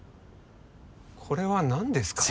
これは何ですか？